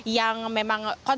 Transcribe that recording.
yang memang konsepnya adalah